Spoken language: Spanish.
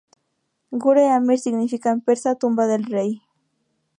Gur-e Amir significa en persa ""Tumba del Rey"".